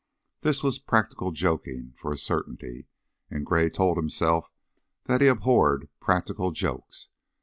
This was practical joking, for a certainty, and Gray told himself that he abhorred practical jokes.